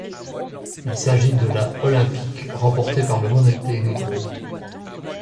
Il s'agit de la olympique remportée par le Monténégro.